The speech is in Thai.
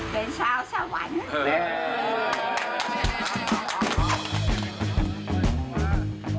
เป็นชาวชาวหวัน